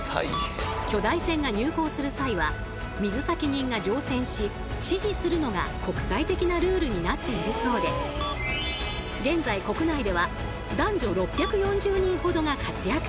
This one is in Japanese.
巨大船が入港する際は水先人が乗船し指示するのが国際的なルールになっているそうで現在国内では男女６４０人ほどが活躍中。